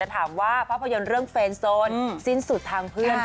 ถามว่าภาพยนตร์เรื่องแฟนโซนสิ้นสุดทางเพื่อน